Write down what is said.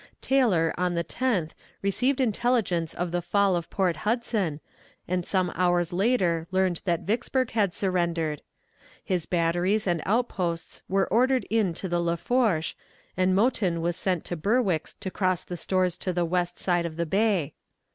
Taylor on the 10th received intelligence of the fall of Port Hudson, and some hours later learned that Vicksburg had surrendered. His batteries and outposts were ordered in to the Lafourche, and Mouton was sent to Berwick's to cross the stores to the west side of the bay.